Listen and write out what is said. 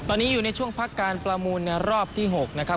ตอนนี้อยู่ในช่วงพักการประมูลในรอบที่๖นะครับ